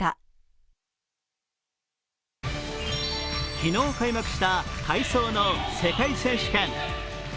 昨日開幕した体操の世界選手権。